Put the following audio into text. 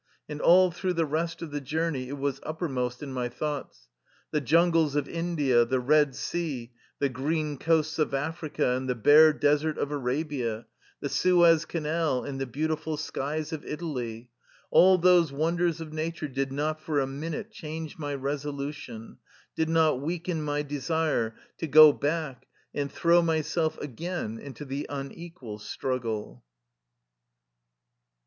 And all through the rest of the journey it was uppermost in my thoughts. The jungles of India, the Red Sea, the green coasts of Africa and the bare desert of Arabia, the Suez Canal, and the beau tiful skies of Italy — all those wonders of na ture did not for a minute change my resolution, did not weaken my desire to go back and throw myself again into the unequal struggle.